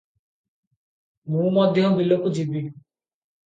ମୁଁ ମଧ୍ୟ ବିଲକୁ ଯିବି ।